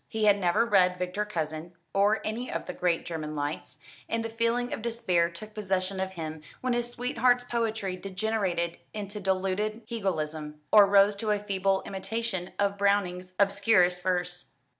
He had never read Victor Cousin, or any of the great German lights; and a feeling of despair took possession of him when his sweetheart's poetry degenerated into diluted Hegelism, or rose to a feeble imitation of Browning's obscurest verse.